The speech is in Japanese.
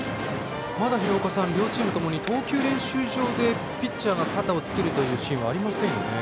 まだ両チームともに投球練習場でピッチャーが肩を作るシーンがありませんね。